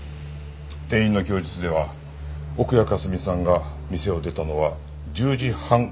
店員の供述では奥谷香澄さんが店を出たのは１０時半頃だそうです。